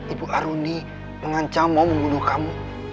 ibu aruni mengancam mau membunuh kamu